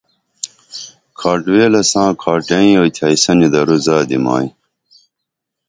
کھاٹ ویلہ ساں کھاٹیں اوئی تھین یسنی دور زادی مائی